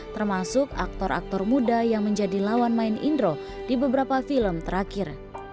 termasuk aktor aktor muda yang menjadi lawan main indro di beberapa film terakhir